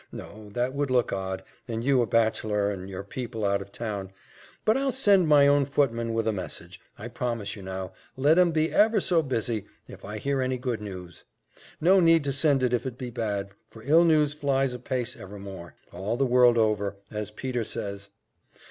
No that would look odd, and you a bachelor, and your people out o'town. But I'll send my own footman with a message, I promise you now, let 'em be ever so busy, if I hear any good news. No need to send if it be bad, for ill news flies apace evermore, all the world over, as Peter says.